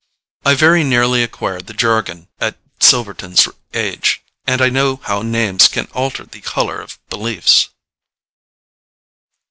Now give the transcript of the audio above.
I very nearly acquired the jargon at Silverton's age, and I know how names can alter the colour of beliefs."